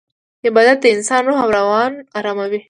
عبادت د انسان روح او روان اراموي.